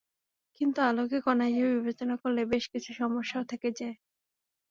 কিন্তু আলোকে কণা হিসেবে বিবেচনা করলে বেশ কিছু সমস্যাও থেকে যায়।